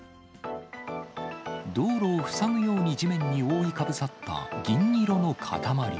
道路を塞ぐように地面に覆いかぶさった銀色の塊。